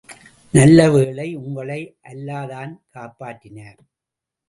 நல்ல வேளை, உங்களை அல்லாதான் காப்பாற்றினார்.